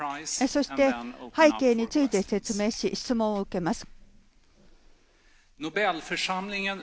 そして背景について説明し、質問を受けます。